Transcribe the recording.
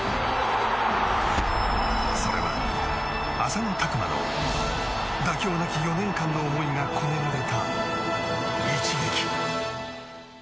それは浅野拓磨の妥協なき４年間の思いが込められた一撃。